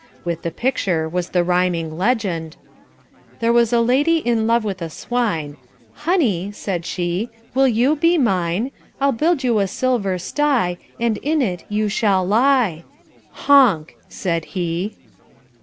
With the picture was the rhyming legend, There was a Lady in love with a swine, "Honey," said she, "will you be mine? I'll build you a silver sty And in it you shall lie." "Honk!" said He.